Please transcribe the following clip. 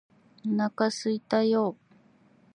お腹すいたよ！！！！！